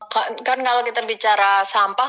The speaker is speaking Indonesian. kan kalau kita bicara sampah